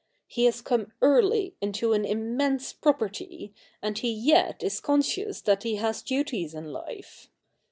He has come early into an immense property, and he yet is conscious that he has duties in life.